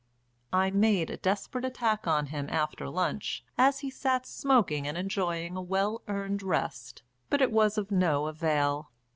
I made a desperate attack on him after lunch as he sat smoking and enjoying a well earned rest, but it was of no avail.